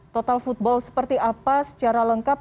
total football seperti apa secara lengkap